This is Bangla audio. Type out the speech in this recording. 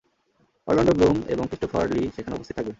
অরলান্ডো ব্লুম এবং ক্রিস্টোফার লী সেখানে উপস্থিত থাকবেন।